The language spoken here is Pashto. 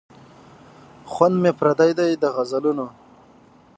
خوند مي پردی دی د غزلونو